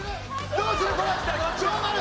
どうなる？